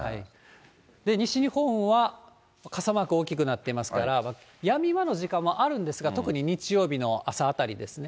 西日本は傘マーク大きくなっていますから、やみ間の時間もあるんですが、特に日曜日の朝あたりですね。